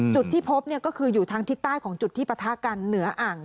จุดที่พบก็คืออยู่ทางทิศใต้ของจุดที่ปะทะกันเหนืออ่าง